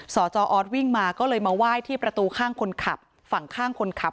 จออสวิ่งมาก็เลยมาไหว้ที่ประตูข้างคนขับฝั่งข้างคนขับ